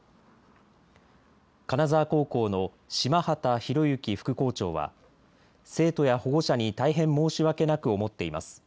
金沢高校の島畑博之副校長は生徒や保護者に大変申し訳なく思っています。